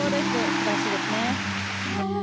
素晴らしいですね！